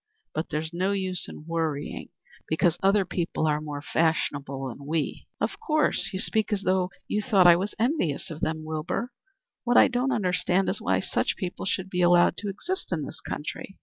But there's no use in worrying because other people are more fashionable than we." "Of course. You speak as if you thought I was envious of them, Wilbur. What I don't understand is why such people should be allowed to exist in this country."